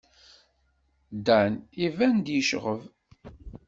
Dan iban-d yecɣeb.